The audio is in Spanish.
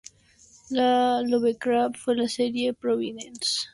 Lovecraft para la serie "Providence", de Alan Moore.